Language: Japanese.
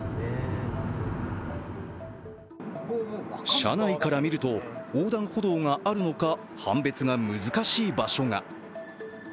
車内から見ると、横断歩道があるのか判別が難しい場所が。